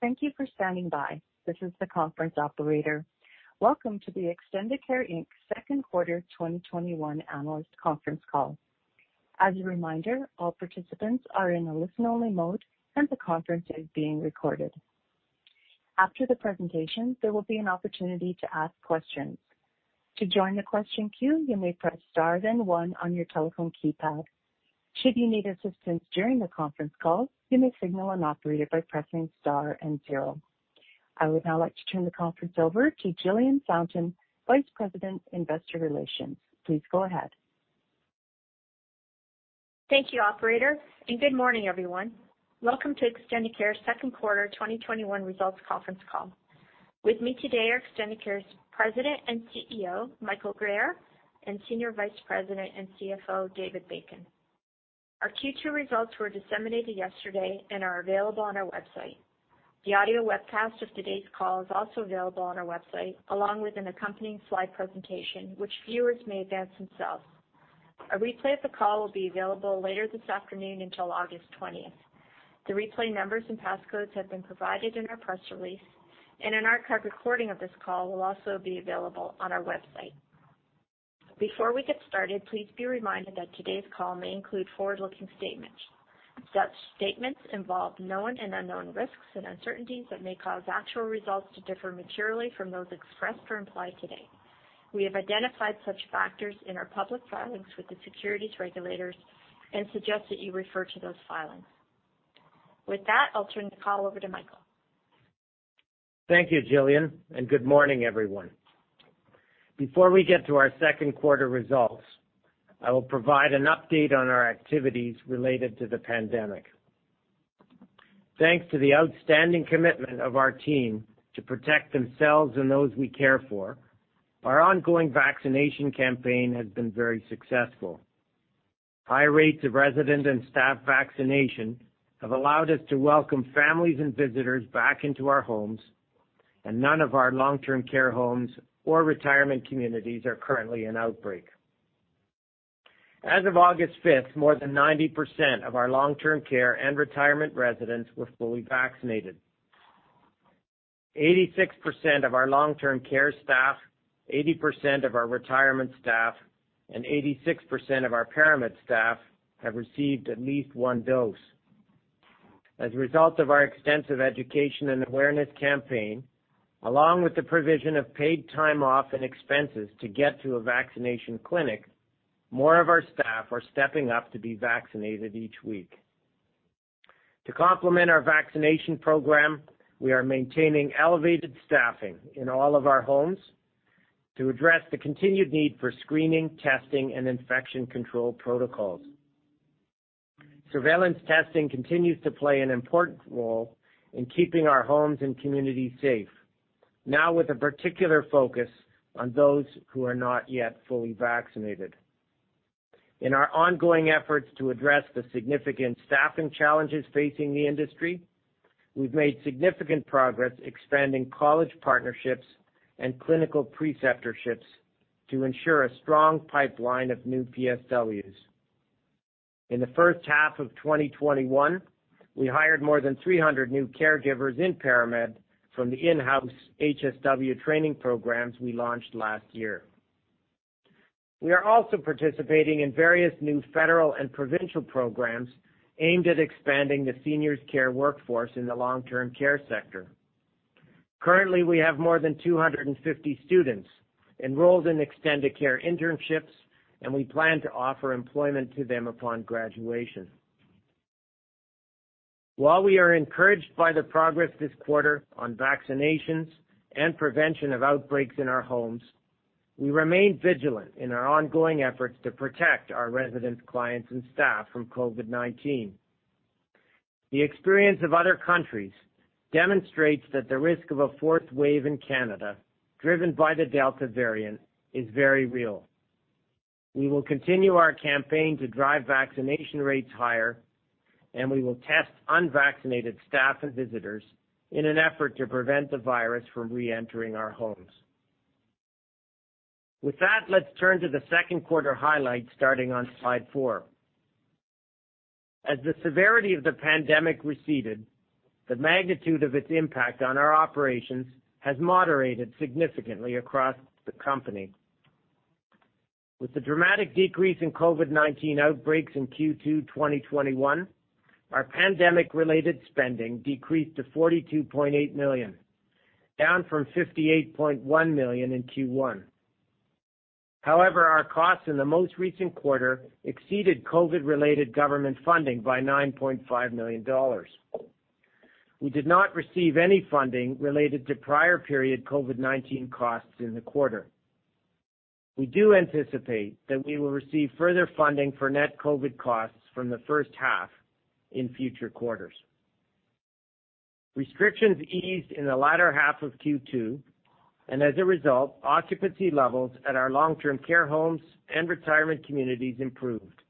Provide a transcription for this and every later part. Thank you for standing by. This is the conference operator. Welcome to the Extendicare Inc. Second Quarter 2021 analyst conference call. As a reminder, all participants are in a listen-only mode, and the conference is being recorded. After the presentation, there will be an opportunity to ask questions. To join the question queue, you may press star, then one on your telephone keypad. Should you need assistance during the conference call, you may signal an operator by pressing star and zero. I would now like to turn the conference over to Jillian Fountain, Vice President, Investor Relations. Please go ahead. Thank you, operator, and good morning, everyone. Welcome to Extendicare's second quarter 2021 results conference call. With me today are Extendicare's President and CEO, Michael Guerriere, and Senior Vice President and CFO, David Bacon. Our Q2 results were disseminated yesterday and are available on our website. The audio webcast of today's call is also available on our website, along with an accompanying slide presentation, which viewers may advance themselves. A replay of the call will be available later this afternoon until August 20th. The replay numbers and passcodes have been provided in our press release, and an archive recording of this call will also be available on our website. Before we get started, please be reminded that today's call may include forward-looking statements. Such statements involve known and unknown risks and uncertainties that may cause actual results to differ materially from those expressed or implied today. We have identified such factors in our public filings with the securities regulators and suggest that you refer to those filings. With that, I'll turn the call over to Michael. Thank you, Jillian, and good morning, everyone. Before we get to our second quarter results, I will provide an update on our activities related to the pandemic. Thanks to the outstanding commitment of our team to protect themselves and those we care for, our ongoing vaccination campaign has been very successful. High rates of resident and staff vaccination have allowed us to welcome families and visitors back into our homes, and none of our long-term care homes or retirement communities are currently in outbreak. As of August 5th, more than 90% of our long-term care and retirement residents were fully vaccinated. 86% of our long-term care staff, 80% of our retirement staff, and 86% of our ParaMed staff have received at least one dose. As a result of our extensive education and awareness campaign, along with the provision of paid time off and expenses to get to a vaccination clinic, more of our staff are stepping up to be vaccinated each week. To complement our vaccination program, we are maintaining elevated staffing in all of our homes to address the continued need for screening, testing, and infection control protocols. Surveillance testing continues to play an important role in keeping our homes and communities safe, now with a particular focus on those who are not yet fully vaccinated. In our ongoing efforts to address the significant staffing challenges facing the industry, we've made significant progress expanding college partnerships and clinical preceptorships to ensure a strong pipeline of new PSWs. In the first half of 2021, we hired more than 300 new caregivers in ParaMed from the in-house HSW training programs we launched last year. We are also participating in various new federal and provincial programs aimed at expanding the seniors care workforce in the long-term care sector. Currently, we have more than 250 students enrolled in Extendicare internships, and we plan to offer employment to them upon graduation. While we are encouraged by the progress this quarter on vaccinations and prevention of outbreaks in our homes, we remain vigilant in our ongoing efforts to protect our residents, clients, and staff from COVID-19. The experience of other countries demonstrates that the risk of a fourth wave in Canada, driven by the Delta variant, is very real. We will continue our campaign to drive vaccination rates higher, and we will test unvaccinated staff and visitors in an effort to prevent the virus from reentering our homes. With that, let's turn to the second quarter highlights starting on slide four. As the severity of the pandemic receded, the magnitude of its impact on our operations has moderated significantly across the company. With the dramatic decrease in COVID-19 outbreaks in Q2 2021, our pandemic-related spending decreased to 42.8 million, down from 58.1 million in Q1. Our costs in the most recent quarter exceeded COVID-related government funding by 9.5 million dollars. We did not receive any funding related to prior period COVID-19 costs in the quarter. We do anticipate that we will receive further funding for net COVID costs from the first half in future quarters. Restrictions eased in the latter half of Q2. As a result, occupancy levels at our long-term care homes and retirement communities improved.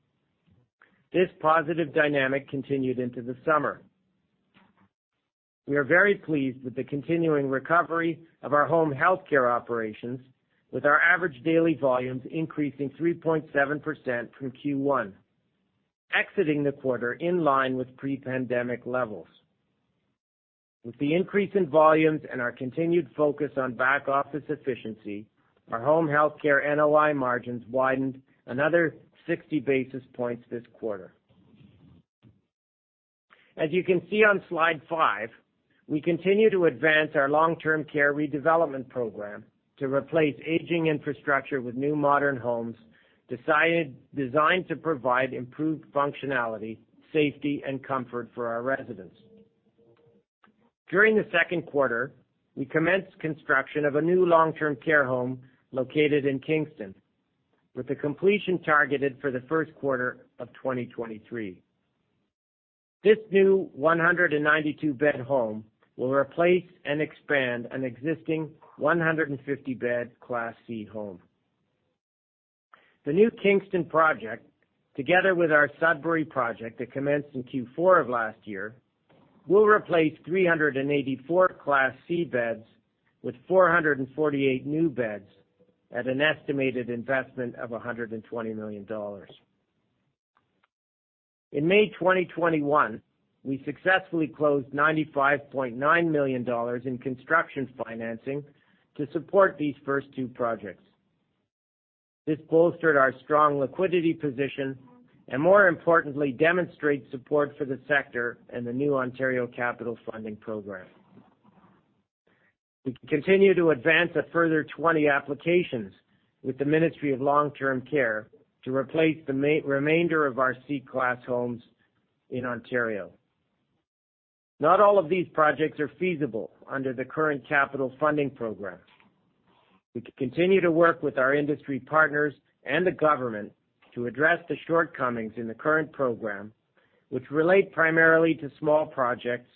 This positive dynamic continued into the summer. We are very pleased with the continuing recovery of our home health care operations. With our average daily volumes increasing 3.7% from Q1, exiting the quarter in line with pre-pandemic levels. With the increase in volumes and our continued focus on back-office efficiency, our home health care NOI margins widened another 60 basis points this quarter. As you can see on slide five, we continue to advance our long-term care redevelopment program to replace aging infrastructure with new modern homes designed to provide improved functionality, safety, and comfort for our residents. During the second quarter, we commenced construction of a new long-term care home located in Kingston, with the completion targeted for the first quarter of 2023. This new 192-bed home will replace and expand an existing 150-bed Class C home. The new Kingston project, together with our Sudbury project that commenced in Q4 of last year, will replace 384 Class C beds with 448 new beds at an estimated investment of 120 million dollars. In May 2021, we successfully closed 95.9 million dollars in construction financing to support these first two projects. This bolstered our strong liquidity position and, more importantly, demonstrates support for the sector and the new Ontario Capital Funding Program. We continue to advance a further 20 applications with the Ministry of Long-Term Care to replace the remainder of our Class C homes in Ontario. Not all of these projects are feasible under the current Capital Funding Program. We continue to work with our industry partners and the government to address the shortcomings in the current program, which relate primarily to small projects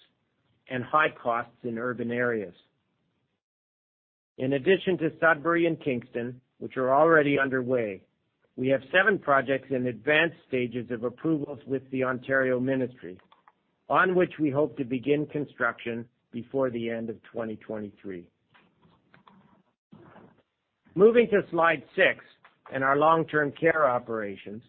and high costs in urban areas. In addition to Sudbury and Kingston, which are already underway, we have seven projects in advanced stages of approvals with the Ontario Ministry, on which we hope to begin construction before the end of 2023. Moving to slide six and our long-term care operations,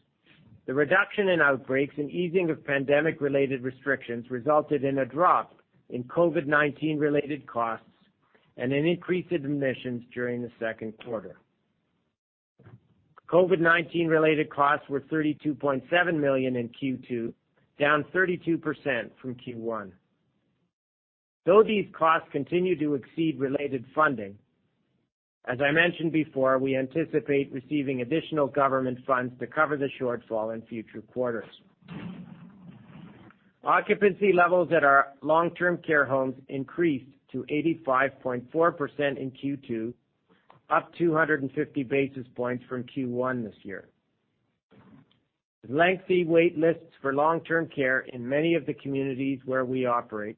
the reduction in outbreaks and easing of pandemic-related restrictions resulted in a drop in COVID-19-related costs and an increase in admissions during the second quarter. COVID-19-related costs were 32.7 million in Q2, down 32% from Q1. Though these costs continue to exceed related funding, as I mentioned before, we anticipate receiving additional government funds to cover the shortfall in future quarters. Occupancy levels at our long-term care homes increased to 85.4% in Q2, up 250 basis points from Q1 this year. With lengthy wait lists for long-term care in many of the communities where we operate,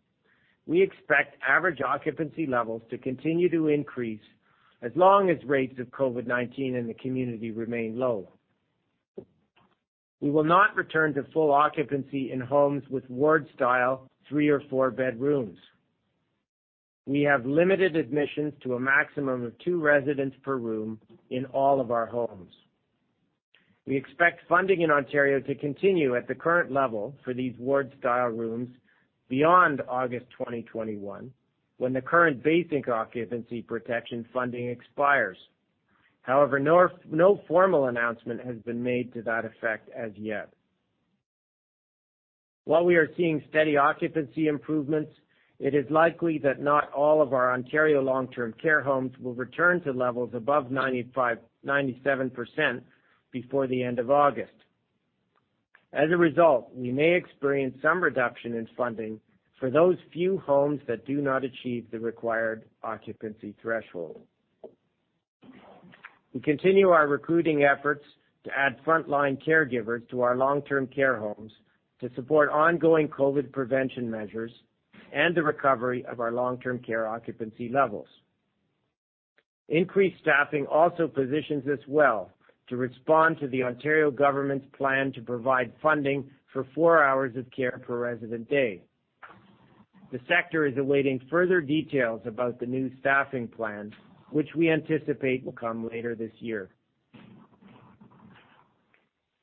we expect average occupancy levels to continue to increase as long as rates of COVID-19 in the community remain low. We will not return to full occupancy in homes with ward-style three- or four-bed rooms. We have limited admissions to a maximum of two residents per room in all of our homes. We expect funding in Ontario to continue at the current level for these ward-style rooms beyond August 2021, when the current basic occupancy protection funding expires. However, no formal announcement has been made to that effect as yet. While we are seeing steady occupancy improvements, it is likely that not all of our Ontario long-term care homes will return to levels above 97% before the end of August. As a result, we may experience some reduction in funding for those few homes that do not achieve the required occupancy threshold. We continue our recruiting efforts to add frontline caregivers to our long-term care homes to support ongoing COVID prevention measures and the recovery of our long-term care occupancy levels. Increased staffing also positions us well to respond to the Ontario government's plan to provide funding for four hours of care per resident day. The sector is awaiting further details about the new staffing plan, which we anticipate will come later this year.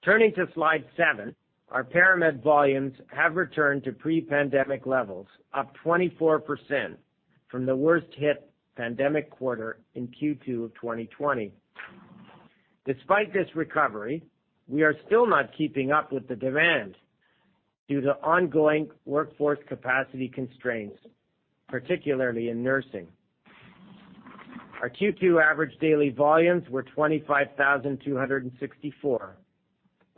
Turning to slide seven, our ParaMed volumes have returned to pre-pandemic levels, up 24% from the worst-hit pandemic quarter in Q2 of 2020. Despite this recovery, we are still not keeping up with the demand due to ongoing workforce capacity constraints, particularly in nursing. Our Q2 average daily volumes were 25,264,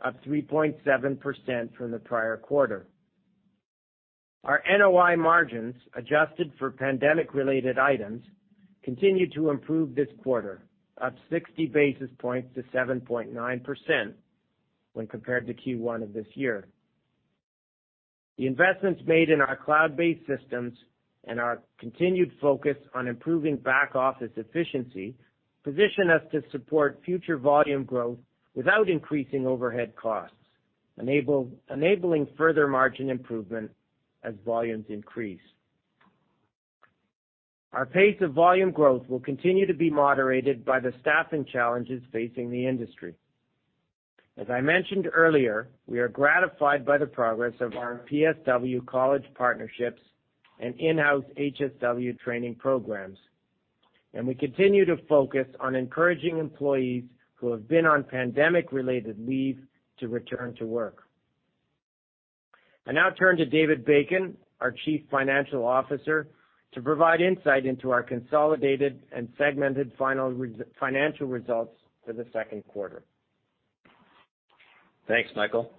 up 3.7% from the prior quarter. Our NOI margins, adjusted for pandemic-related items, continued to improve this quarter, up 60 basis points to 7.9% when compared to Q1 of this year. The investments made in our cloud-based systems and our continued focus on improving back office efficiency position us to support future volume growth without increasing overhead costs, enabling further margin improvement as volumes increase. Our pace of volume growth will continue to be moderated by the staffing challenges facing the industry. As I mentioned earlier, we are gratified by the progress of our PSW college partnerships and in-house HSW training programs, and we continue to focus on encouraging employees who have been on pandemic-related leave to return to work. I now turn to David Bacon, our chief financial officer, to provide insight into our consolidated and segmented financial results for the second quarter. Thanks, Michael.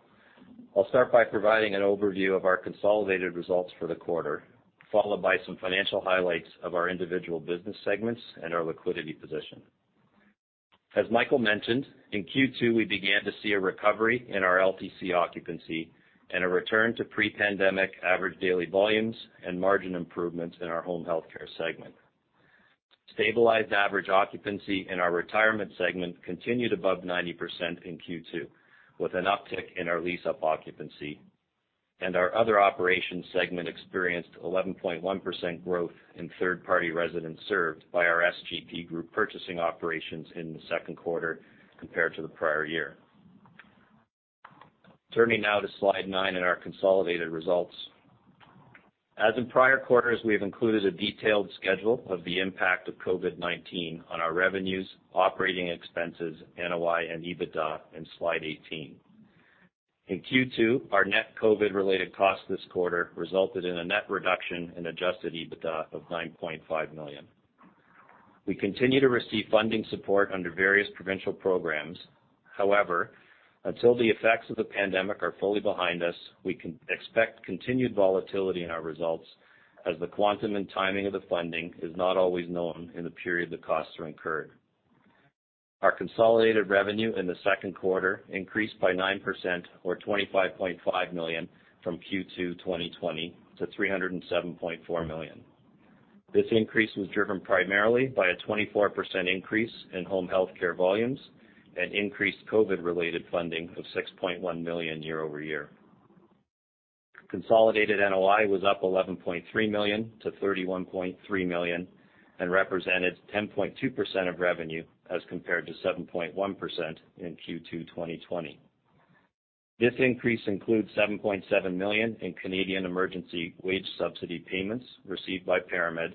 I'll start by providing an overview of our consolidated results for the quarter, followed by some financial highlights of our individual business segments and our liquidity position. As Michael mentioned, in Q2, we began to see a recovery in our LTC occupancy and a return to pre-pandemic average daily volumes and margin improvements in our home health care segment. Stabilized average occupancy in our retirement segment continued above 90% in Q2, with an uptick in our lease-up occupancy. Our other operations segment experienced 11.1% growth in third-party residents served by our SGP group purchasing operations in the second quarter compared to the prior year. Turning now to slide 9 in our consolidated results. As in prior quarters, we have included a detailed schedule of the impact of COVID-19 on our revenues, operating expenses, NOI, and EBITDA in slide 18. In Q2, our net COVID-19-related costs this quarter resulted in a net reduction in adjusted EBITDA of 9.5 million. We continue to receive funding support under various provincial programs. However, until the effects of the pandemic are fully behind us, we can expect continued volatility in our results as the quantum and timing of the funding is not always known in the period the costs are incurred. Our consolidated revenue in the second quarter increased by 9% or 25.5 million from Q2 2020 to 307.4 million. This increase was driven primarily by a 24% increase in home health care volumes and increased COVID-19-related funding of 6.1 million year-over-year. Consolidated NOI was up 11.3 million to 31.3 million and represented 10.2% of revenue as compared to 7.1% in Q2 2020. This increase includes 7.7 million in Canadian emergency wage subsidy payments received by ParaMed.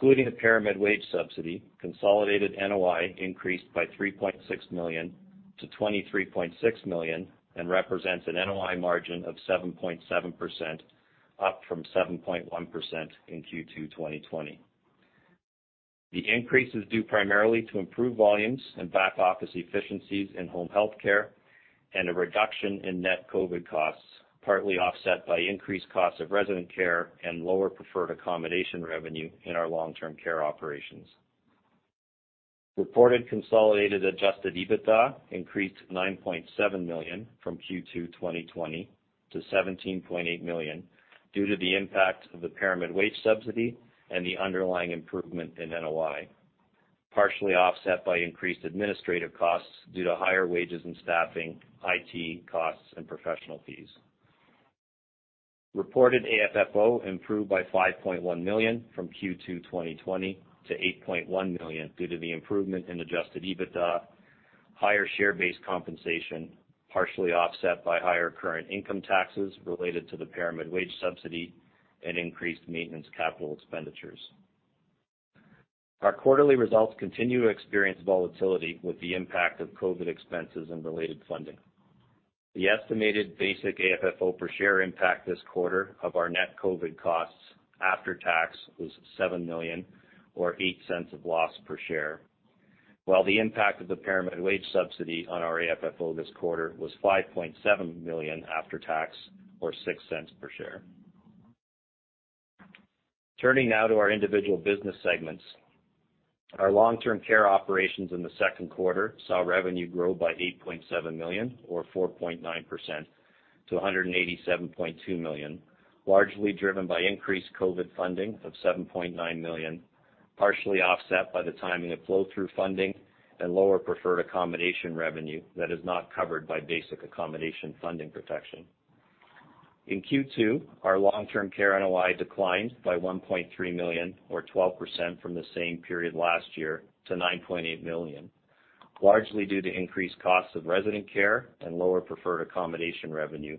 Excluding the ParaMed wage subsidy, consolidated NOI increased by 3.6 million to 23.6 million and represents an NOI margin of 7.7%, up from 7.1% in Q2 2020. The increase is due primarily to improved volumes and back office efficiencies in home health care and a reduction in net COVID costs, partly offset by increased costs of resident care and lower preferred accommodation revenue in our long-term care operations. Reported consolidated adjusted EBITDA increased to 9.7 million from Q2 2020 to 17.8 million due to the impact of the ParaMed wage subsidy and the underlying improvement in NOI, partially offset by increased administrative costs due to higher wages and staffing, IT costs, and professional fees. Reported AFFO improved by 5.1 million from Q2 2020 to 8.1 million due to the improvement in adjusted EBITDA, higher share-based compensation, partially offset by higher current income taxes related to the ParaMed wage subsidy and increased maintenance capital expenditures. Our quarterly results continue to experience volatility with the impact of COVID expenses and related funding. The estimated basic AFFO per share impact this quarter of our net COVID costs after tax was 7 million, or 0.08 of loss per share, while the impact of the ParaMed wage subsidy on our AFFO this quarter was 5.7 million after tax, or 0.06 per share. Turning now to our individual business segments. Our long-term care operations in the second quarter saw revenue grow by 8.7 million or 4.9% to 187.2 million, largely driven by increased COVID funding of 7.9 million, partially offset by the timing of flow through funding and lower preferred accommodation revenue that is not covered by basic accommodation funding protection. In Q2, our long-term care NOI declined by 1.3 million, or 12%, from the same period last year to 9.8 million, largely due to increased costs of resident care and lower preferred accommodation revenue,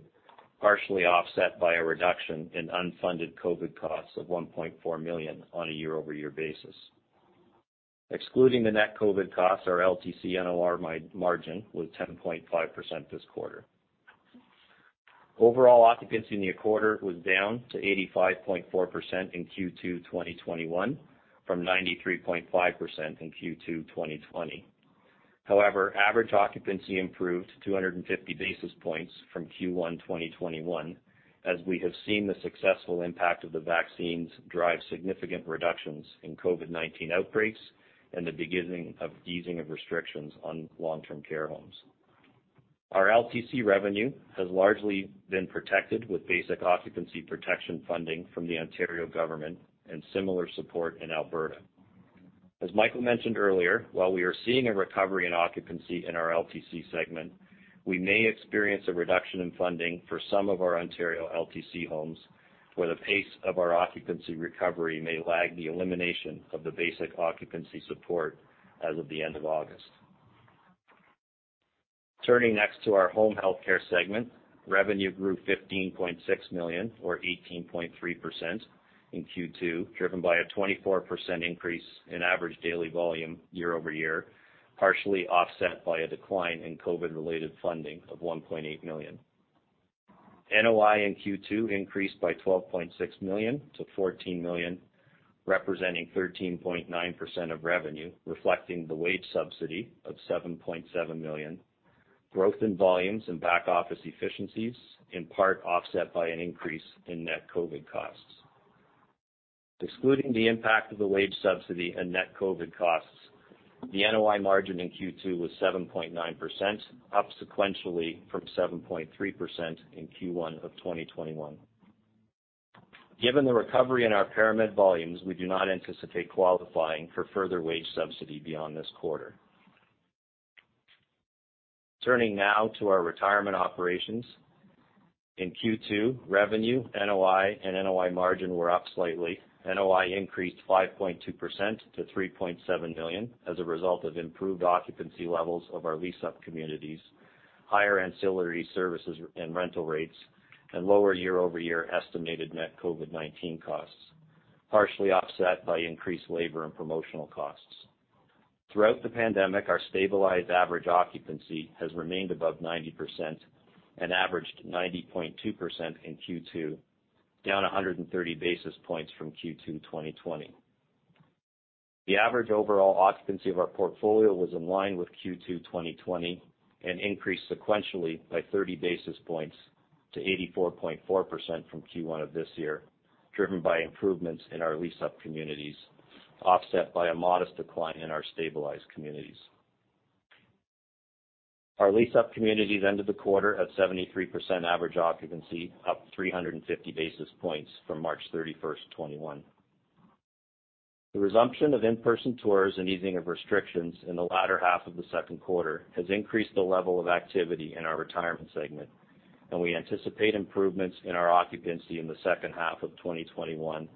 partially offset by a reduction in unfunded COVID costs of 1.4 million on a year-over-year basis. Excluding the net COVID costs, our LTC NOI margin was 10.5% this quarter. Overall occupancy in the quarter was down to 85.4% in Q2 2021 from 93.5% in Q2 2020. Average occupancy improved 250 basis points from Q1 2021, as we have seen the successful impact of the vaccines drive significant reductions in COVID-19 outbreaks and the beginning of easing of restrictions on long-term care homes. Our LTC revenue has largely been protected with basic occupancy protection funding from the Ontario government and similar support in Alberta. As Michael mentioned earlier, while we are seeing a recovery in occupancy in our LTC segment, we may experience a reduction in funding for some of our Ontario LTC homes, where the pace of our occupancy recovery may lag the elimination of the basic occupancy support as of the end of August. Turning next to our home health care segment. Revenue grew 15.6 million, or 18.3% in Q2, driven by a 24% increase in average daily volume year-over-year, partially offset by a decline in COVID-related funding of 1.8 million. NOI in Q2 increased by 12.6 million-14 million, representing 13.9% of revenue, reflecting the wage subsidy of 7.7 million, growth in volumes and back-office efficiencies, in part offset by an increase in net COVID-19 costs. Excluding the impact of the wage subsidy and net COVID-19 costs, the NOI margin in Q2 was 7.9%, up sequentially from 7.3% in Q1 2021. Given the recovery in our ParaMed volumes, we do not anticipate qualifying for further wage subsidy beyond this quarter. Turning now to our retirement operations. In Q2, revenue, NOI, and NOI margin were up slightly. NOI increased 5.2% to 3.7 million as a result of improved occupancy levels of our leased-up communities, higher ancillary services and rental rates, and lower year-over-year estimated net COVID-19 costs, partially offset by increased labor and promotional costs. Throughout the pandemic, our stabilized average occupancy has remained above 90% and averaged 90.2% in Q2, down 130 basis points from Q2 2020. The average overall occupancy of our portfolio was in line with Q2 2020 and increased sequentially by 30 basis points to 84.4% from Q1 of this year, driven by improvements in our leased-up communities, offset by a modest decline in our stabilized communities. Our leased-up communities ended the quarter at 73% average occupancy, up 350 basis points from March 31st, 2021. The resumption of in-person tours and easing of restrictions in the latter half of the second quarter has increased the level of activity in our retirement segment, and we anticipate improvements in our occupancy in the second half of 2021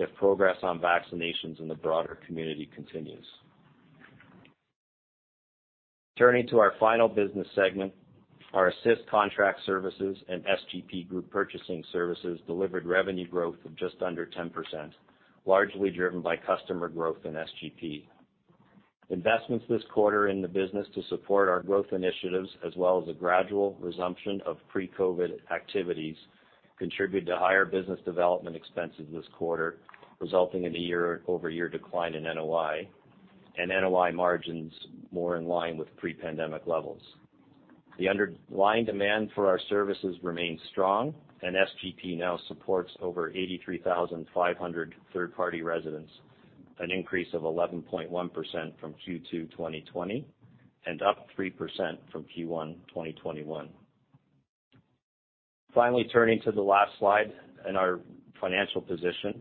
if progress on vaccinations in the broader community continues. Turning to our final business segment, our Assist contract services and SGP group purchasing services delivered revenue growth of just under 10%, largely driven by customer growth in SGP. Investments this quarter in the business to support our growth initiatives as well as a gradual resumption of pre-COVID-19 activities contributed to higher business development expenses this quarter, resulting in a year-over-year decline in NOI and NOI margins more in line with pre-pandemic levels. The underlying demand for our services remains strong, and SGP now supports over 83,500 third-party residents, an increase of 11.1% from Q2 2020 and up 3% from Q1 2021. Finally, turning to the last slide and our financial position.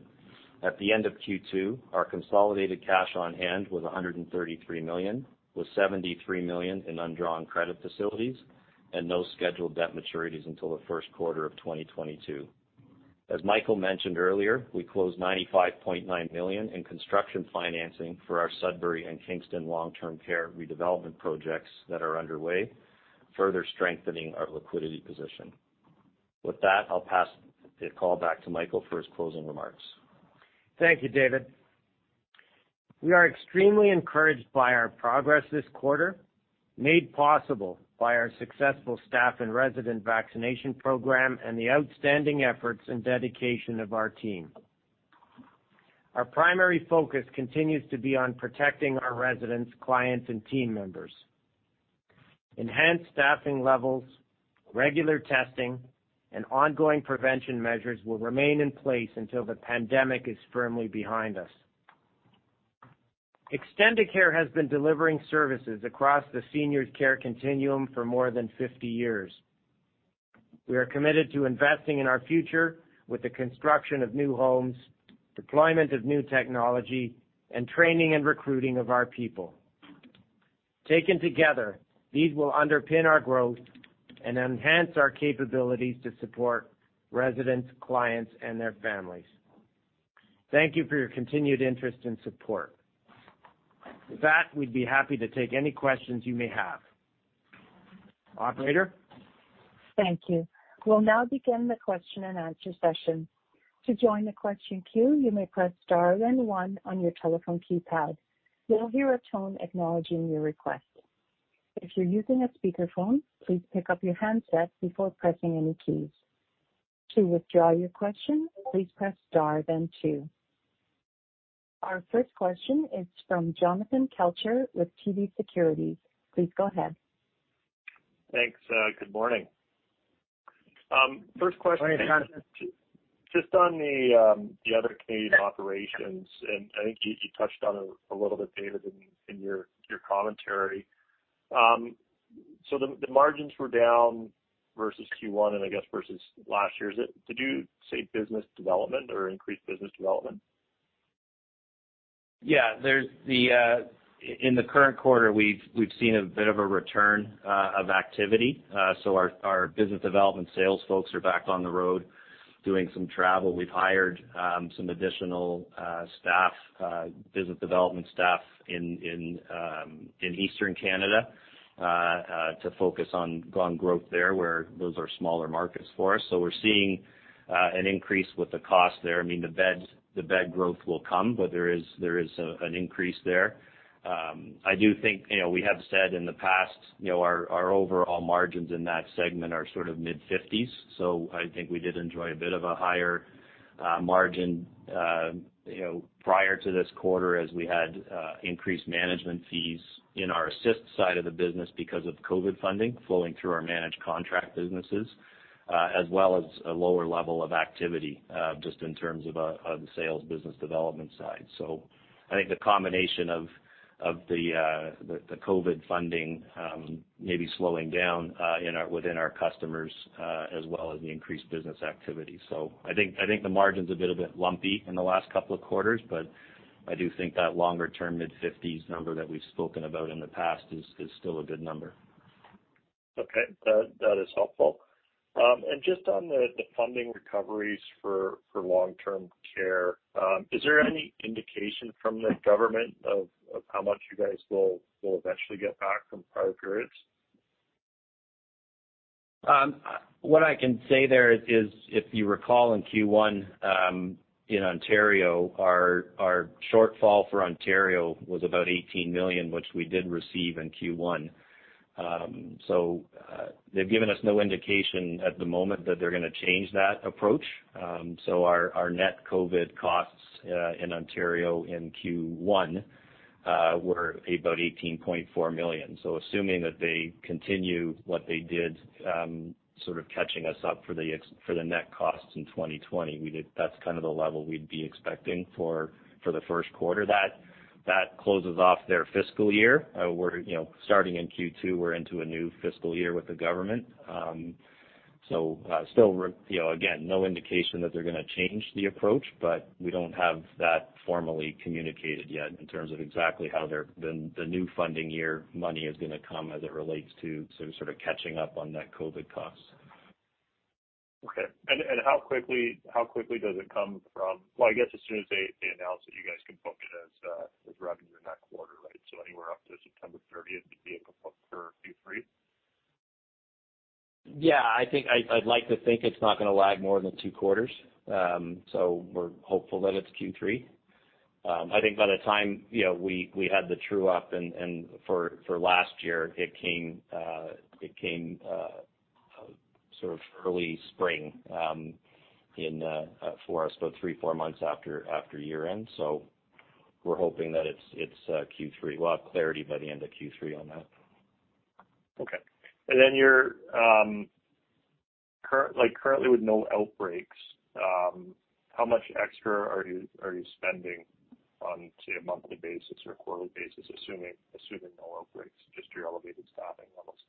At the end of Q2, our consolidated cash on hand was 133 million, with 73 million in undrawn credit facilities and no scheduled debt maturities until the first quarter of 2022. As Michael mentioned earlier, we closed 95.9 million in construction financing for our Sudbury and Kingston long-term care redevelopment projects that are underway, further strengthening our liquidity position. With that, I'll pass the call back to Michael for his closing remarks. Thank you, David. We are extremely encouraged by our progress this quarter, made possible by our successful staff and resident vaccination program and the outstanding efforts and dedication of our team. Our primary focus continues to be on protecting our residents, clients, and team members. Enhanced staffing levels, regular testing, and ongoing prevention measures will remain in place until the pandemic is firmly behind us. Extendicare has been delivering services across the seniors care continuum for more than 50 years. We are committed to investing in our future with the construction of new homes, deployment of new technology, and training and recruiting of our people. Taken together, these will underpin our growth and enhance our capabilities to support residents, clients, and their families. Thank you for your continued interest and support. With that, we'd be happy to take any questions you may have. Operator? Thank you. We'll now begin the question-and-answer session. Our first question is from Jonathan Kelcher with TD Securities. Please go ahead. Thanks. Good morning. First question, just on the other Canadian operations, and I think you touched on it a little bit, David, in your commentary. The margins were down versus Q1 and, I guess, versus last year. Did you say business development or increased business development? In the current quarter, we've seen a bit of a return of activity. Our business development sales folks are back on the road doing some travel. We've hired some additional business development staff in Eastern Canada to focus on growth there, where those are smaller markets for us. We're seeing an increase with the cost there. I mean, the bed growth will come, but there is an increase there. I do think, we have said in the past, our overall margins in that segment are sort of mid-50s. I think we did enjoy a bit of a higher margin prior to this quarter, as we had increased management fees in our Assist side of the business because of COVID funding flowing through our managed contract businesses, as well as a lower level of activity, just in terms of the sales business development side. I think the combination of the COVID funding may be slowing down within our customers, as well as the increased business activity. I think the margin's a little bit lumpy in the last couple of quarters, but I do think that longer-term mid-50s number that we've spoken about in the past is still a good number. Okay. That is helpful. Just on the funding recoveries for long-term care, is there any indication from the government of how much you guys will eventually get back from prior periods? What I can say there is, if you recall in Q1, in Ontario, our shortfall for Ontario was about 18 million, which we did receive in Q1. They've given us no indication at the moment that they're going to change that approach. Our net COVID costs, in Ontario in Q1, were about 18.4 million. Assuming that they continue what they did, sort of catching us up for the net costs in 2020, that's kind of the level we'd be expecting for the first quarter. That closes off their fiscal year. Starting in Q2, we're into a new fiscal year with the government. Again, no indication that they're going to change the approach, but we don't have that formally communicated yet in terms of exactly how the new funding year money is going to come as it relates to sort of catching up on net COVID costs. Okay. How quickly does it come? Well, I guess as soon as they announce it, you guys can book it as revenue in that quarter, right? Anywhere up to September 30th, you'd be able to book for Q3? Yeah, I'd like to think it's not going to lag more than two quarters. We're hopeful that it's Q3. I think by the time we had the true-up and for last year, it came sort of early spring for us, about three, four months after year-end. We're hoping that it's Q3. We'll have clarity by the end of Q3 on that. Okay. Currently with no outbreaks, how much extra are you spending on, say, a monthly basis or a quarterly basis, assuming no outbreaks, just your elevated staffing levels?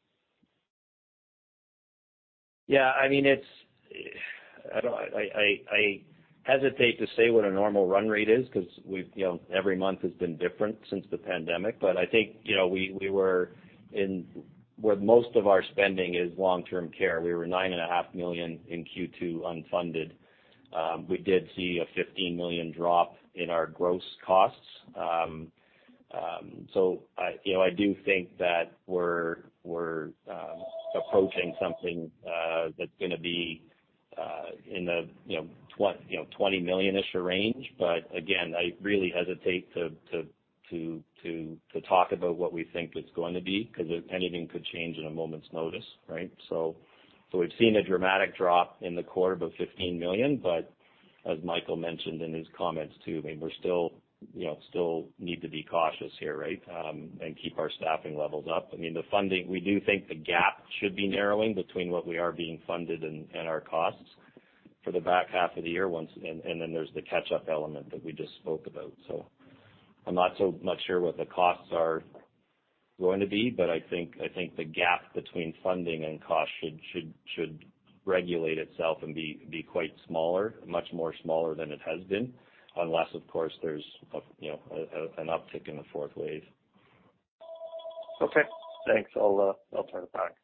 I hesitate to say what a normal run rate is because every month has been different since the pandemic, but I think where most of our spending is long-term care. We were nine and a half million in Q2 unfunded. We did see a 15 million drop in our gross costs. I do think that we're approaching something that's going to be in the 20 million-ish range. Again, I really hesitate to talk about what we think it's going to be, because anything could change in a moment's notice, right? We've seen a dramatic drop in the quarter of a 15 million, but as Michael mentioned in his comments, too, I mean, we still need to be cautious here, right? Keep our staffing levels up. We do think the gap should be narrowing between what we are being funded and our costs for the back half of the year. There's the catch-up element that we just spoke about. I'm not so much sure what the costs are going to be, but I think the gap between funding and cost should regulate itself and be quite smaller, much more smaller than it has been, unless, of course, there's an uptick in the fourth wave. Okay. Thanks. I'll turn it back.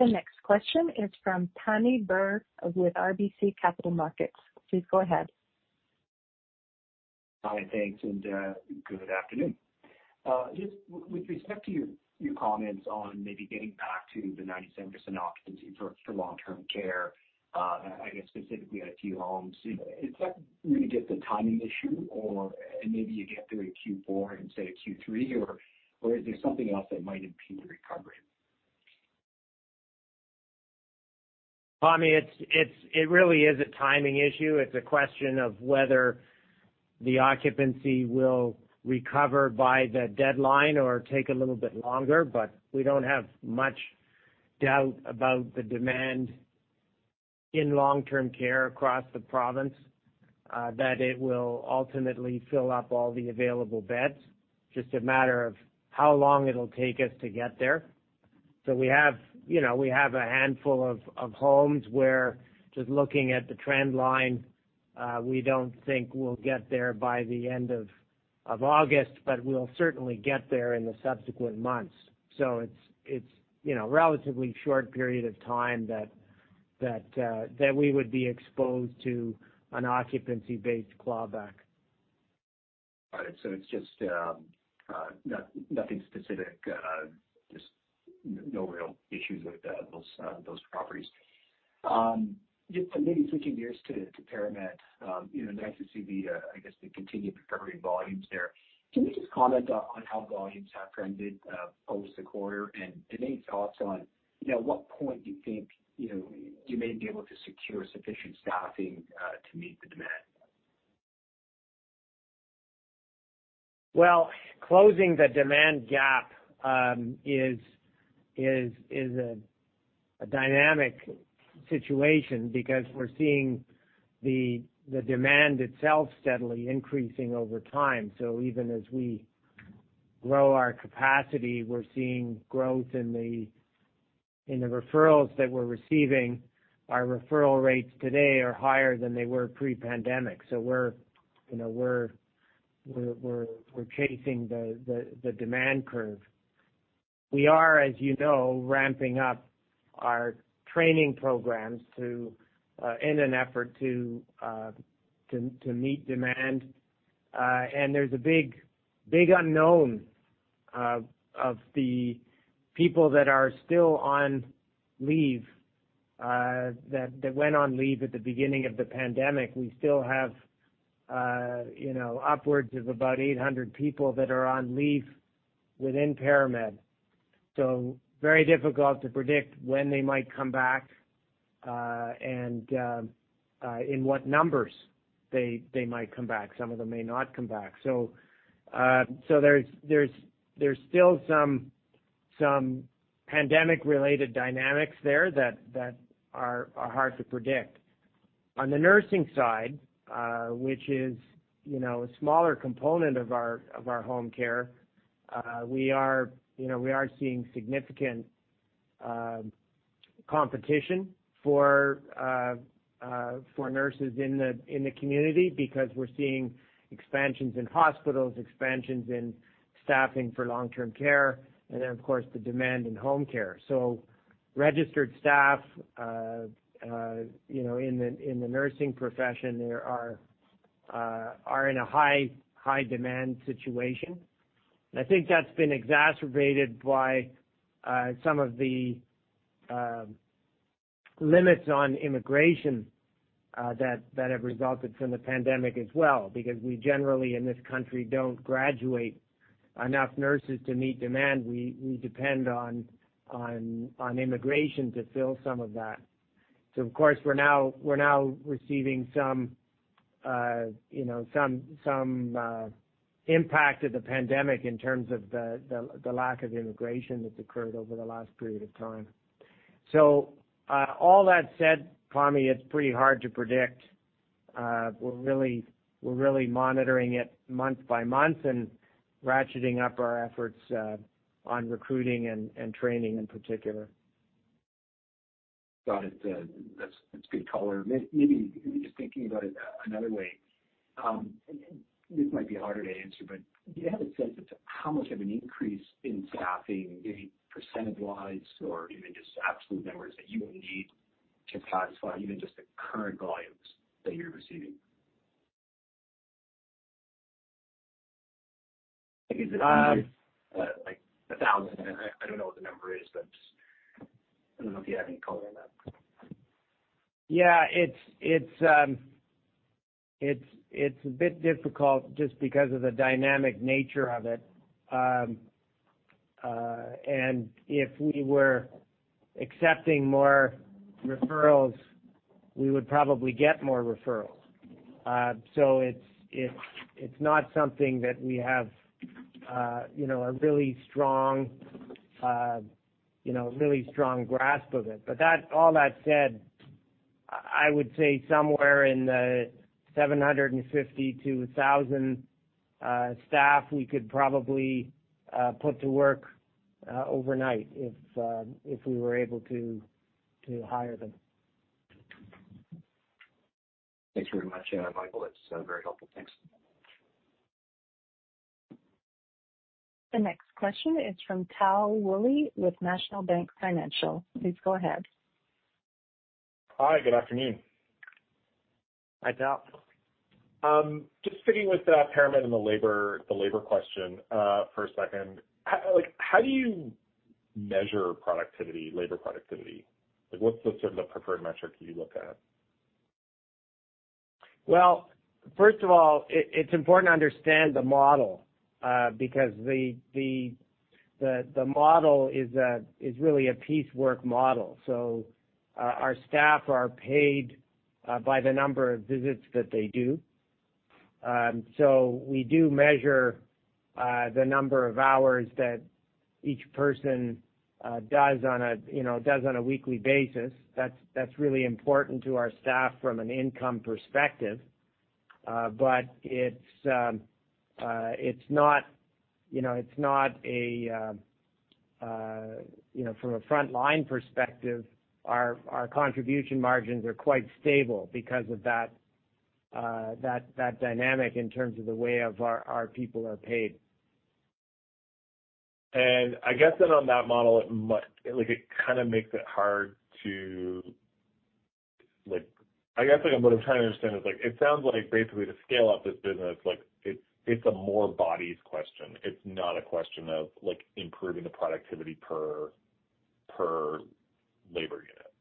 The next question is from Tom Callaghan with RBC Capital Markets. Please go ahead. Hi, thanks, and good afternoon. Just with respect to your comments on maybe getting back to the 97% occupancy for long-term care, I guess specifically at a few homes. Is that really just a timing issue, or maybe you get to it Q4 instead of Q3, or is there something else that might impede the recovery? Tom, it really is a timing issue. It's a question of whether the occupancy will recover by the deadline or take a little bit longer, but we don't have much doubt about the demand. In long-term care across the province, that it will ultimately fill up all the available beds. Just a matter of how long it'll take us to get there. We have a handful of homes where, just looking at the trend line, we don't think we'll get there by the end of August, but we'll certainly get there in the subsequent months. It's a relatively short period of time that we would be exposed to an occupancy-based clawback. Got it. It's just nothing specific, just no real issues with those properties. Just maybe switching gears to ParaMed. Nice to see the continued recovery volumes there. Can you just comment on how volumes have trended post the quarter and any thoughts on at what point you think you may be able to secure sufficient staffing to meet the demand? Well, closing the demand gap is a dynamic situation because we're seeing the demand itself steadily increasing over time. Even as we grow our capacity, we're seeing growth in the referrals that we're receiving. Our referral rates today are higher than they were pre-pandemic. We're chasing the demand curve. We are, as you know, ramping up our training programs in an effort to meet demand. There's a big unknown of the people that are still on leave, that went on leave at the beginning of the pandemic. We still have upwards of about 800 people that are on leave within ParaMed. Very difficult to predict when they might come back and in what numbers they might come back. Some of them may not come back. There's still some pandemic-related dynamics there that are hard to predict. On the nursing side, which is a smaller component of our home care, we are seeing significant competition for nurses in the community because we're seeing expansions in hospitals, expansions in staffing for long-term care, and then, of course, the demand in home care. Registered staff in the nursing profession are in a high-demand situation. I think that's been exacerbated by some of the limits on immigration that have resulted from the pandemic as well, because we generally, in this country, don't graduate enough nurses to meet demand. We depend on immigration to fill some of that. Of course, we're now receiving some impact of the pandemic in terms of the lack of immigration that's occurred over the last period of time. All that said, Tom, it's pretty hard to predict. We're really monitoring it month by month and ratcheting up our efforts on recruiting and training in particular. Got it. That's a good color. Maybe just thinking about it another way, this might be harder to answer, but do you have a sense of how much of an increase in staffing, maybe percentage-wise or even just absolute numbers, that you would need to satisfy even just the current volumes that you're receiving? Is it like 1,000? I don't know what the number is, but just, I don't know if you have any color on that. It is a bit difficult just because of the dynamic nature of it. If we were accepting more referrals, we would probably get more referrals. It is not something that we have a really strong grasp of it. All that said, I would say somewhere in the 750 to 1,000 staff we could probably put to work overnight if we were able to hire them. Thanks very much, Michael. That's very helpful. Thanks. The next question is from Tal Woolley with National Bank Financial. Please go ahead. Hi, good afternoon. Hi, Tal. Just sticking with ParaMed and the labor question for a second. How do you measure productivity, labor productivity? What's the sort of the preferred metric you look at? First of all, it's important to understand the model, because the model is really a piecework model. Our staff are paid by the number of visits that they do. We do measure the number of hours that each person does on a weekly basis. That's really important to our staff from an income perspective; it's not from a frontline perspective. Our contribution margins are quite stable because of that dynamic in terms of the way our people are paid. I guess on that model, I guess what I'm trying to understand is, it sounds like basically to scale up this business, it's a more-bodies question. It's not a question of improving the productivity per labor unit.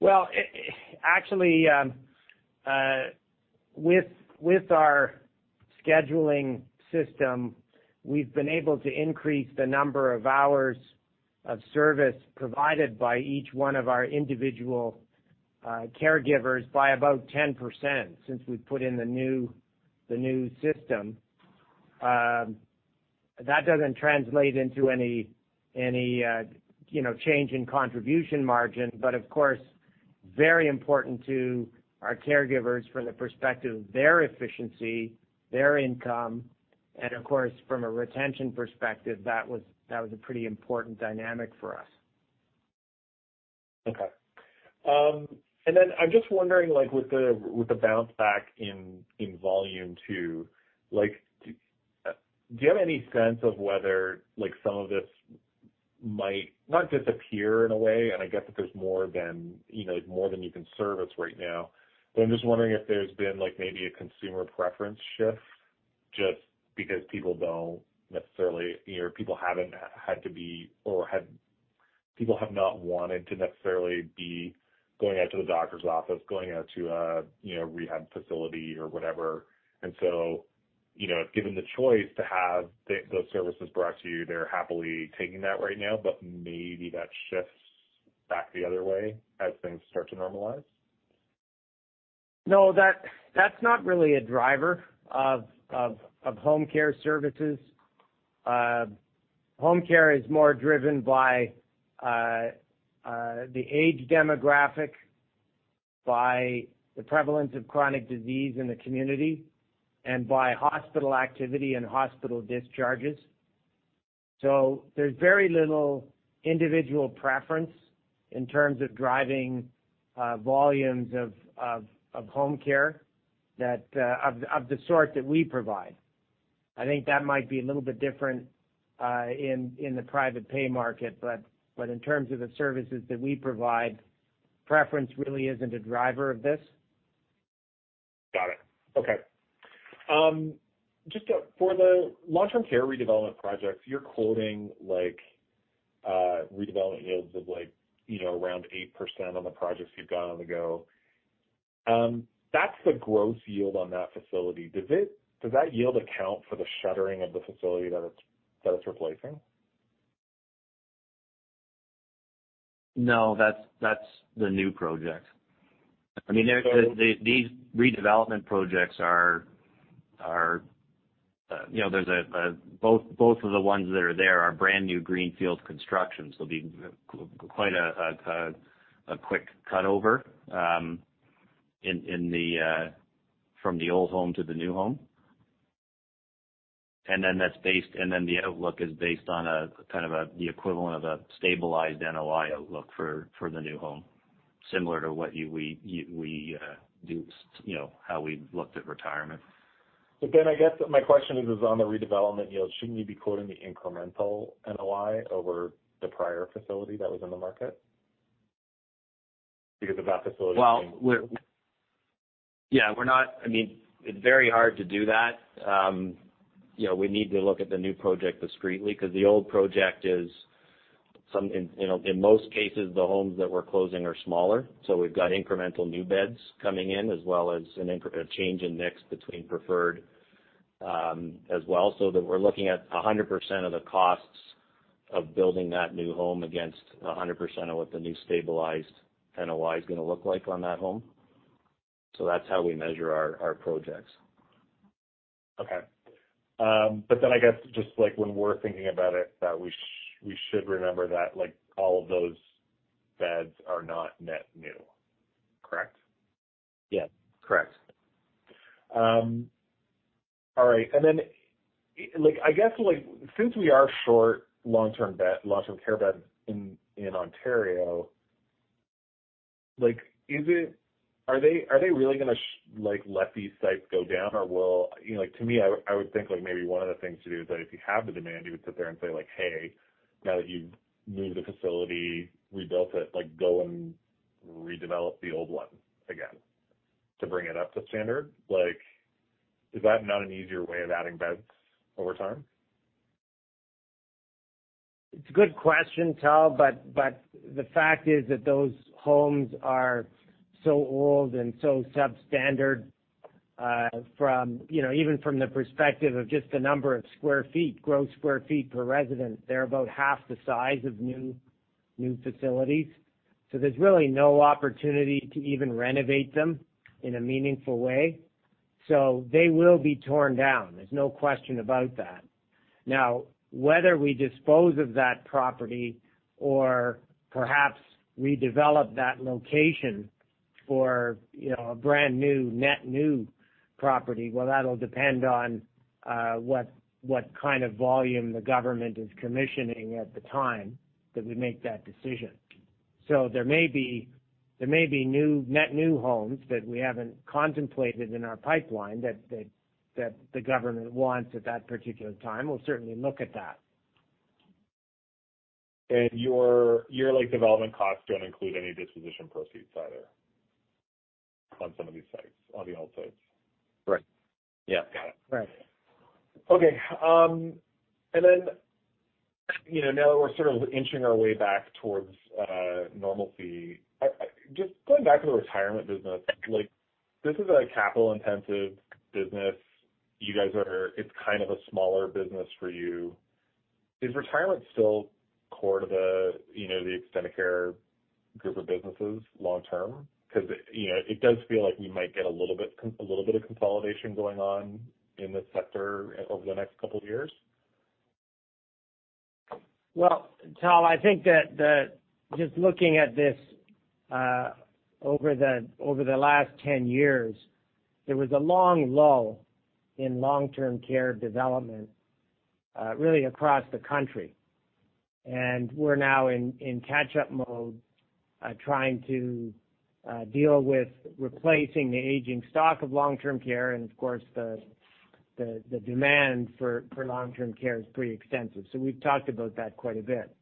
Well, actually, with our scheduling system, we've been able to increase the number of hours of service provided by each one of our individual caregivers by about 10% since we put in the new system. That doesn't translate into any change in contribution margin, but of course, very important to our caregivers from the perspective of their efficiency, their income, and, of course, from a retention perspective; that was a pretty important dynamic for us. Okay. I'm just wondering, with the bounce back in volume too, do you have any sense of whether some of this might not disappear in a way, and I get that there's more than you can service right now. I'm just wondering if there's been maybe a consumer preference shift just because people don't necessarily, or people have not wanted to necessarily be going out to the doctor's office, going out to a rehab facility, or whatever. Given the choice to have those services brought to you, they're happily taking that right now, but maybe that shifts back the other way as things start to normalize. No, that's not really a driver of home care services. Home care is more driven by the age demographic, by the prevalence of chronic disease in the community, and by hospital activity and hospital discharges. There's very little individual preference in terms of driving volumes of home care of the sort that we provide. I think that might be a little bit different in the private pay market. In terms of the services that we provide, preference really isn't a driver of this. Got it. Okay. Just for the long-term care redevelopment projects, you're quoting redevelopment yields of around 8% on the projects you've got on the go. That's the gross yield on that facility. Does that yield account for the shuttering of the facility that it's replacing? No, that's the new project. These redevelopment projects, both of the ones that are there, are brand-new greenfield constructions. There'll be quite a quick cut-over from the old home to the new home. The outlook is based on a kind of the equivalent of a stabilized NOI outlook for the new home, similar to how we looked at retirement. I guess my question is on the redevelopment yield. Shouldn't you be quoting the incremental NOI over the prior facility that was in the market? Well, yeah. It's very hard to do that. We need to look at the new project discreetly because the old project is, in most cases, the homes that we're closing are smaller. We've got incremental new beds coming in, as well as a change in mix between preferred as well, so that we're looking at 100% of the costs of building that new home against 100% of what the new stabilized NOI is going to look like on that home. That's how we measure our projects. Okay. I guess, just like when we're thinking about it, that we should remember that all of those beds are not net new. Correct? Yeah. Correct. All right. I guess since we are short long-term care beds in Ontario, are they really going to let these sites go down? To me, I would think maybe one of the things to do is that if you have the demand, you would sit there and say, "Hey, now that you've moved the facility, rebuilt it, go and redevelop the old one again to bring it up to standard." "Is that not an easier way of adding beds over time? It's a good question, Tal. The fact is that those homes are so old and so substandard. Even from the perspective of just the number of square feet, gross square feet per resident, they're about half the size of new facilities. There's really no opportunity to even renovate them in a meaningful way. They will be torn down. There's no question about that. Now, whether we dispose of that property or perhaps redevelop that location for a brand-new, net-new property, well, that'll depend on what kind of volume the government is commissioning at the time that we make that decision. There may be net new homes that we haven't contemplated in our pipeline that the government wants at that particular time. We'll certainly look at that. Your development costs don't include any disposition proceeds either on some of these sites, on the old sites? Right. Yeah. Got it. Right. Okay. Now that we're sort of inching our way back towards normalcy, just going back to the retirement business, this is a capital-intensive business. It's kind of a smaller business for you. Is retirement still core to the Extendicare group of businesses long-term? It does feel like we might get a little bit of consolidation going on in this sector over the next couple of years. Well, Tom, I think that just looking at this over the last 10 years, there was a long lull in long-term care development, really across the country. We're now in catch-up mode, trying to deal with replacing the aging stock of long-term care. Of course, the demand for long-term care is pretty extensive. We've talked about that quite a bit.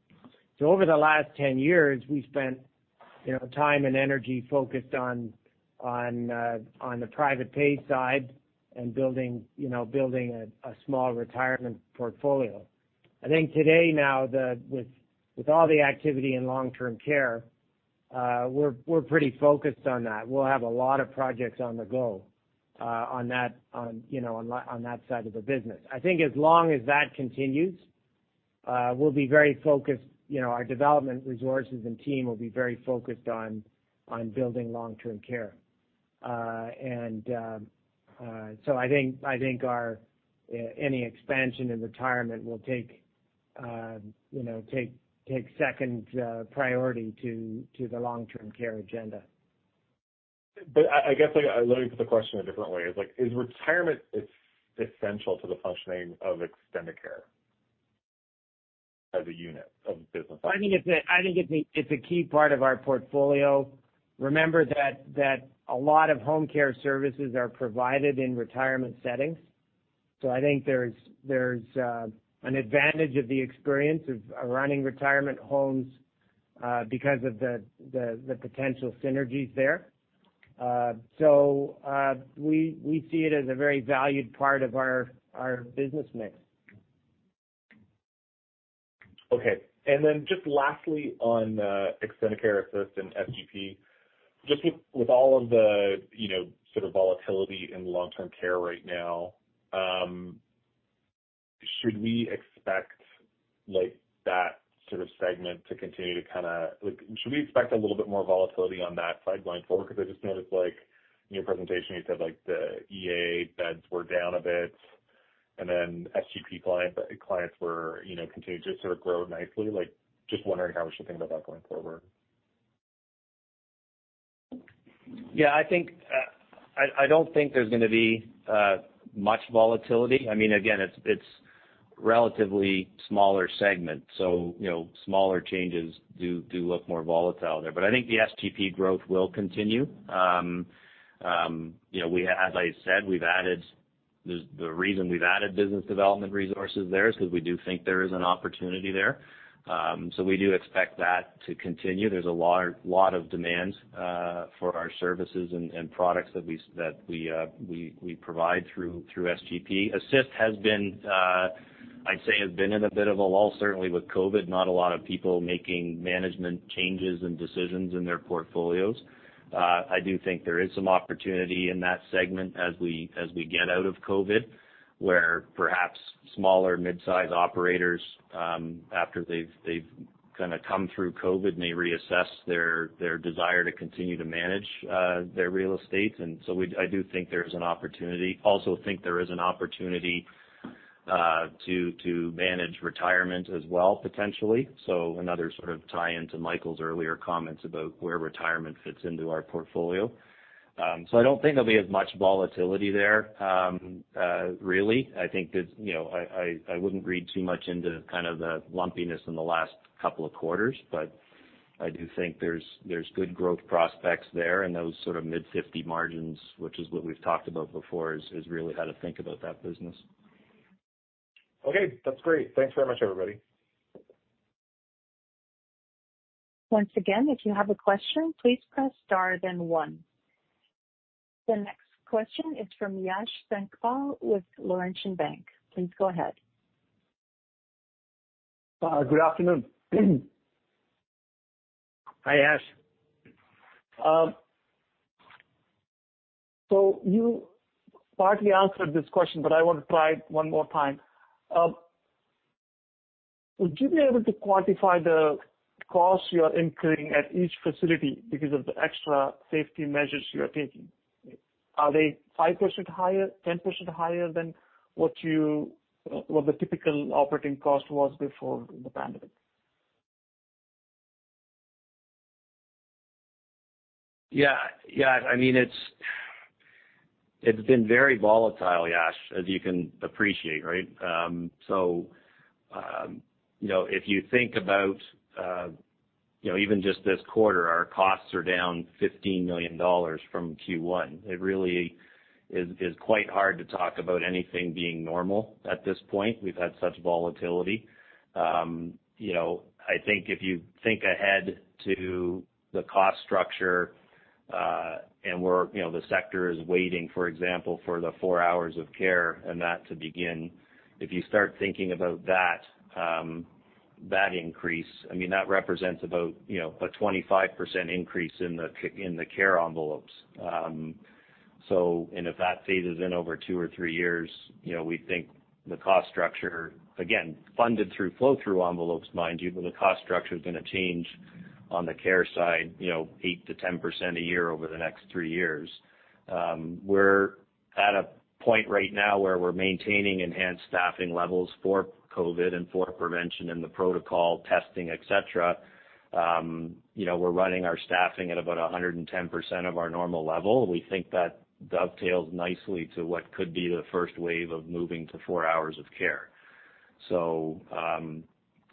Over the last 10 years, we spent time and energy focused on the private pay side and building a small retirement portfolio. I think today now, with all the activity in long-term care, we're pretty focused on that. We'll have a lot of projects on the go on that side of the business. I think as long as that continues, our development resources and team will be very focused on building long-term care. I think any expansion in retirement will take second priority to the long-term care agenda. I guess, let me put the question a different way. Is retirement essential to the functioning of Extendicare as a unit of business? I think it's a key part of our portfolio. Remember that a lot of home care services are provided in retirement settings. I think there's an advantage of the experience of running retirement homes because of the potential synergies there. We see it as a very valued part of our business mix. Okay. Just lastly, on Extendicare Assist and SGP, just with all of the sort of volatility in long-term care right now, should we expect a little bit more volatility on that side going forward? I just noticed in your presentation, you said the EA beds were down a bit, and then SGP clients continued to sort of grow nicely. Just wondering how we should think about that going forward. I don't think there's going to be much volatility. It's a relatively smaller segment; smaller changes do look more volatile there. I think the SGP growth will continue. As I said, the reason we've added business development resources there is because we do think there is an opportunity there. We do expect that to continue. There's a lot of demand for our services and products that we provide through SGP. Assist, I'd say, has been in a bit of a lull, certainly with COVID, not a lot of people making management changes and decisions in their portfolios. I do think there is some opportunity in that segment as we get out of COVID, where perhaps smaller mid-size operators, after they've kind of come through COVID, may reassess their desire to continue to manage their real estate. I do think there's an opportunity. Also think there is an opportunity to manage retirement as well, potentially. Another sort of tie-in to Michael's earlier comments about where retirement fits into our portfolio. I don't think there'll be as much volatility there, really. I wouldn't read too much into kind of the lumpiness in the last couple of quarters, but I do think there's good growth prospects there, and those sort of mid-50% margins, which is what we've talked about before, is really how to think about that business. Okay, that's great. Thanks very much, everybody. Once again, if you have a question, please press star, then one. The next question is from Yashwant Sankpal with Laurentian Bank. Please go ahead. Good afternoon. Hi, Yashwant Sankpal. You partly answered this question, but I want to try one more time. Would you be able to quantify the cost you are incurring at each facility because of the extra safety measures you are taking? Are they 5% higher, 10% higher than what the typical operating cost was before the pandemic? It's been very volatile, Yash, as you can appreciate, right? If you think about even just this quarter, our costs are down 15 million dollars from Q1. It really is quite hard to talk about anything being normal at this point. We've had such volatility. If you think ahead to the cost structure, the sector is waiting, for example, for the four hours of care and that to begin. If you start thinking about that increase, that represents about a 25% increase in the care envelopes. If that phases in over two or three years, we think the cost structure, again, funded through flow-through envelopes, mind you, but the cost structure is going to change on the care side 8%-10% a year over the next three years. We're at a point right now where we're maintaining enhanced staffing levels for COVID and for prevention in the protocol, testing, et cetera. We're running our staffing at about 110% of our normal level. We think that dovetails nicely to what could be the first wave of moving to four hours of care.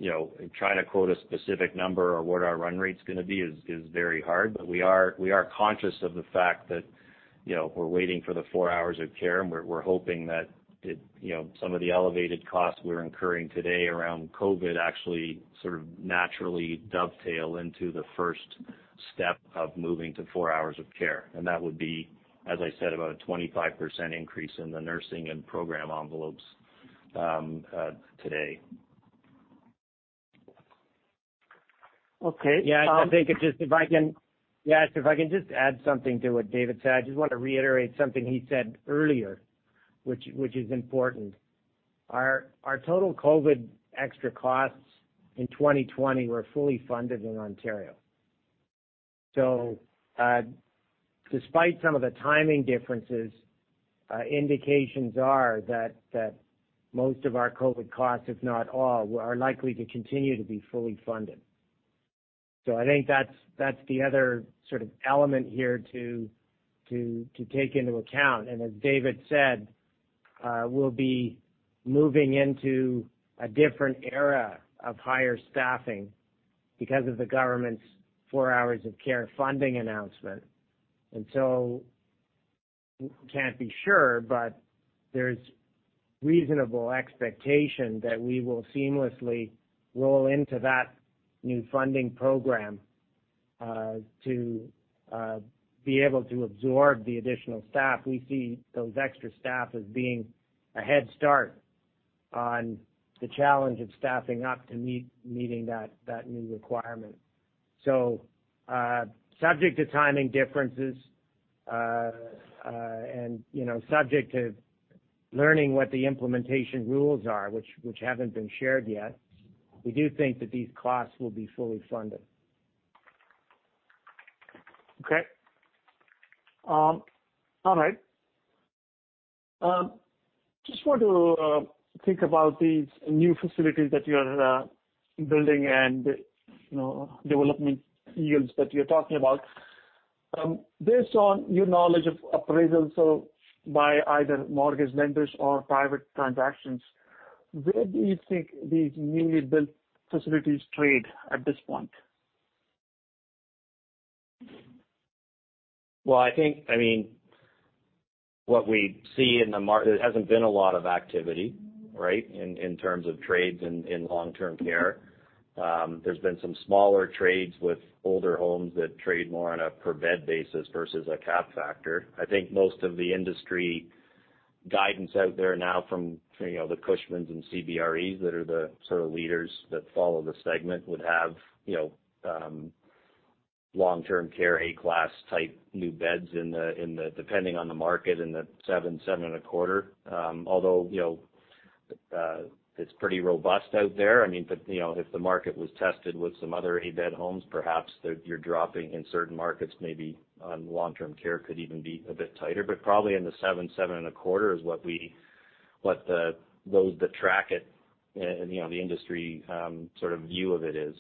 Trying to quote a specific number or what our run rate's going to be is very hard. We are conscious of the fact that we're waiting for the four hours of care, and we're hoping that some of the elevated costs we're incurring today around COVID actually sort of naturally dovetail into the first step of moving to four hours of care. That would be, as I said, about a 25% increase in the nursing and program envelopes today. Okay. Yash, if I can just add something to what David said. I just want to reiterate something he said earlier, which is important. Our total COVID-19 extra costs in 2020 were fully funded in Ontario. Despite some of the timing differences, indications are that most of our COVID-19 costs, if not all, are likely to continue to be fully funded. I think that's the other sort of element here to take into account. As David said, we'll be moving into a different era of higher staffing because of the government's four hours of care funding announcement. We can't be sure, but there's a reasonable expectation that we will seamlessly roll into that new funding program to be able to absorb the additional staff. We see those extra staff as being a head start on the challenge of staffing up to meeting that new requirement. Subject to timing differences, and subject to learning what the implementation rules are, which haven't been shared yet, we do think that these costs will be fully funded. Okay. All right. I just want to think about these new facilities that you are building and development yields that you're talking about. Based on your knowledge of appraisals by either mortgage lenders or private transactions, where do you think these newly built facilities trade at this point? What we see in the market, there hasn't been a lot of activity, right, in terms of trades in long-term care. There's been some smaller trades with older homes that trade more on a per-bed basis versus a cap factor. I think most of the industry guidance out there now from the Cushmans and CBRE that are the sort of leaders that follow the segment, would have long-term care. Class A type new beds in the, depending on the market, in the 7%- 7.25%. It's pretty robust out there. If the market was tested with some other Class A homes, perhaps you're dropping in certain markets, maybe on long-term care could even be a bit tighter, but probably in the 7%-7.25% is what those that track it and the industry sort of view of it is.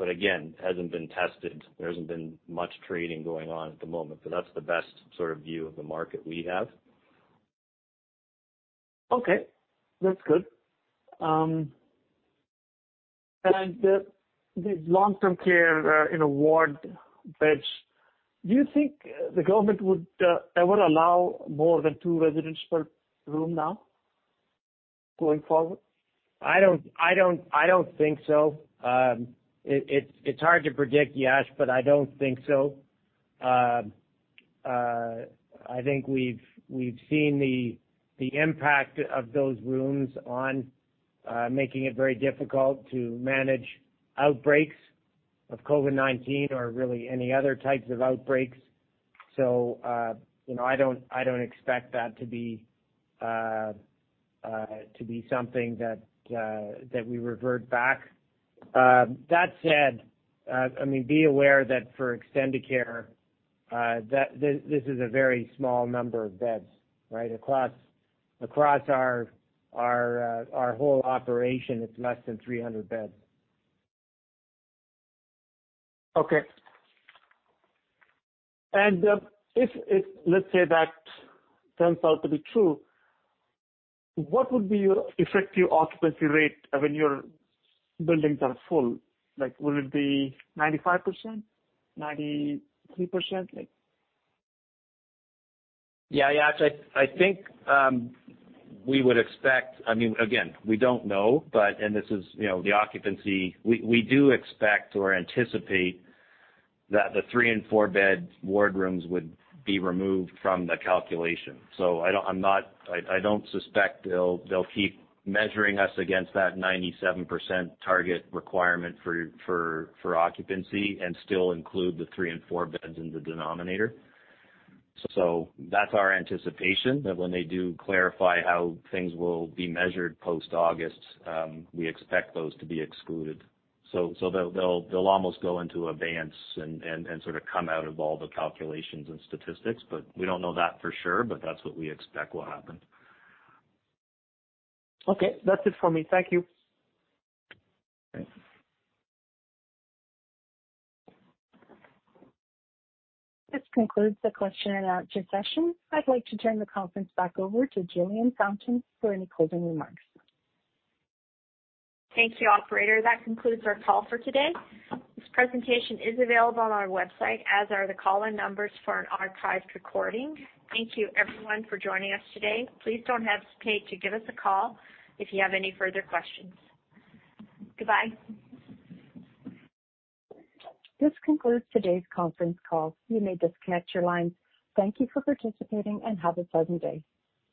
Again, hasn't been tested. There hasn't been much trading going on at the moment, but that's the best sort of view of the market we have. Okay, that's good. The long-term care in a ward beds—do you think the government would ever allow more than two residents per room now, going forward? I don't think so. It's hard to predict, Yash. I don't think so. I think we've seen the impact of those rooms on making it very difficult to manage outbreaks of COVID-19 or really any other types of outbreaks. I don't expect that to be something that we revert back. That said, be aware that for Extendicare, this is a very small number of beds, right? Across our whole operation, it's less than 300 beds. Okay. If, let's say, that turns out to be true, what would be your effective occupancy rate when your buildings are full? Will it be 95%, 93%? I think we would expect again; we don't know, and this is the occupancy. We do expect or anticipate that the three and four-bed ward rooms would be removed from the calculation. I don't suspect they'll keep measuring us against that 97% target requirement for occupancy and still include the three and four beds in the denominator. That's our anticipation, that when they do clarify how things will be measured post-August, we expect those to be excluded. They'll almost go into abeyance and sort of come out of all the calculations and statistics, but we don't know that for sure, but that's what we expect will happen. Okay, that's it for me. Thank you. Thanks. This concludes the question-and-answer session. I'd like to turn the conference back over to Jillian Fountain for any closing remarks. Thank you, operator. That concludes our call for today. This presentation is available on our website, as are the call-in numbers for an archived recording. Thank you, everyone, for joining us today. Please don't hesitate to give us a call if you have any further questions. Goodbye. This concludes today's conference call. You may disconnect your lines. Thank you for participating, and have a pleasant day.